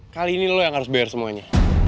kali ini lo yang harus bayar semuanya